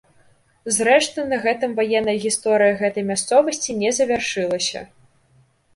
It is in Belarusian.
Зрэшты на гэтым ваенная гісторыя гэтай мясцовасці не завяршылася.